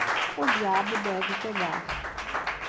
O diabo deve pegar!